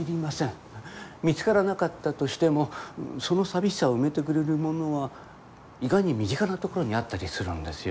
見つからなかったとしてもその寂しさを埋めてくれるものは意外に身近なところにあったりするんですよ。